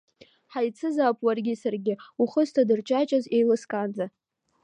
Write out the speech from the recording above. Ҳаицызаап уаргьы саргьы, ухы зҭадырҷаҷаз еилыскаанӡа.